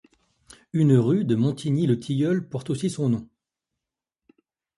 Une rue de Montigny-le-Tilleul porte aussi son nom.